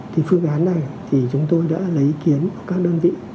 thì phương án này thì chúng tôi đã lấy ý kiến các đơn vị